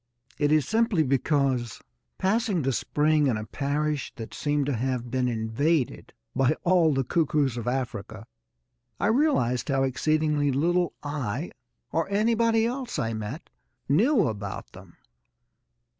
It is simply because, passing the spring in a parish that seemed to have been invaded by all the cuckoos of Africa, I realised how exceedingly little I, or anybody else I met, knew about them.